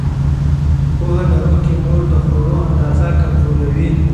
پوهه لرونکې مور د خوړو اندازه کنټرولوي.